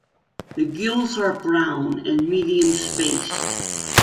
The gills are brown and medium spaced.